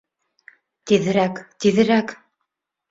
Тиҙерәк, тиҙерәк!